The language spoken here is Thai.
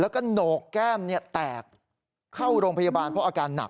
แล้วก็โหนกแก้มแตกเข้าโรงพยาบาลเพราะอาการหนัก